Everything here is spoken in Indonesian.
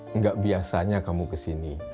enggak biasanya kamu kesini